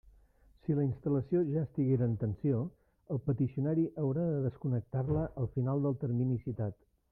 Si la instal·lació ja estiguera en tensió, el peticionari haurà de desconnectar-la al final del termini citat.